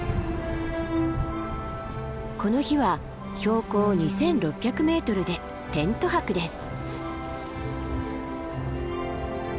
この日は標高２，６００ｍでテント泊です。